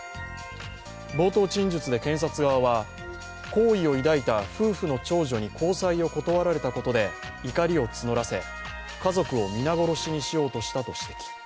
冒頭陳述で検察側は、好意を抱いた夫婦の長女に交際を断られたことで怒りを募らせ、家族を皆殺しにしようとしたと指摘。